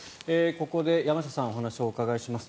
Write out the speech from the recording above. ここで山下さん、お話をお伺いします。